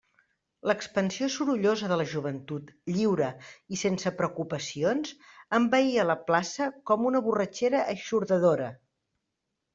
L'expansió sorollosa de la joventut lliure i sense preocupacions envaïa la plaça com una borratxera eixordadora.